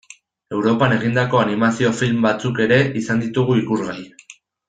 Europan egindako animazio film batzuk ere izan ditugu ikusgai.